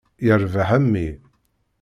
Yirbeḥ a mmi.